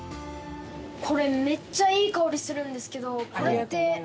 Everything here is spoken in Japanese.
これめっちゃいい香りするんですけど。